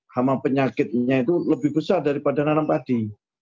hama penyakitnya itu lebih besar daripada nanam padi